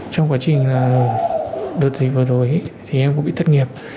trong quá trình đợt dịch vừa rồi thì em cũng bị thất nghiệp